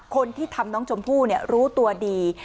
คนที่ทำน้องชมพู่รู้ตัวดี